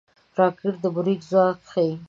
راکټ د برید ځواک ښيي